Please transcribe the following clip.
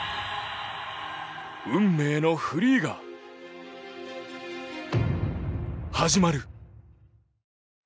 運命のフリーが始まる。